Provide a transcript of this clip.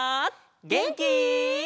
げんき？